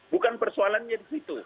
bukan persoalannya di situ